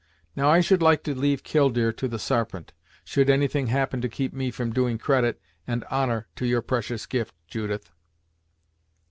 Now, I should like to leave Killdeer to the Sarpent, should any thing happen to keep me from doing credit and honor to your precious gift, Judith."